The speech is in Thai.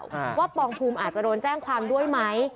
ว่าปองภูมิอาจจะโดนแจ้งความด้วยไหม